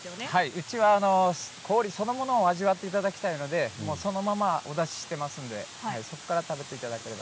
うちは氷そのものを味わっていただきたいのでそのままお出ししていますのでそこから食べていただければ。